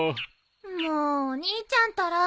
もうお兄ちゃんたら。